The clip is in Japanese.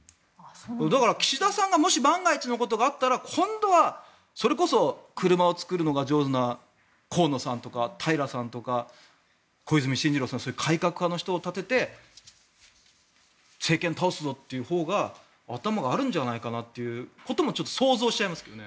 だから岸田さんがもし万が一のことがあったら今度はそれこそ車を作るのが上手な河野さんとか平さんとか小泉進次郎さんとか改革派の人を立てて政権を倒すぞというほうが頭があるんじゃないかなということもちょっと想像しちゃいますけど。